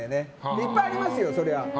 いっぱいありますよ、そりゃ。